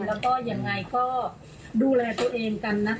แล้วก็ยังไงก็ดูแลตัวเองกันนะคะ